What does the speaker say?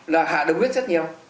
là hạ đồng huyết rất nhiều